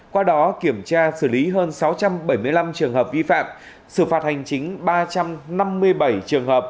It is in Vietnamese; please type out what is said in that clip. qua đó kiểm tra xử lý hơn sáu trăm bảy mươi năm trường hợp vi phạm xử phạt hành chính ba trăm năm mươi bảy trường hợp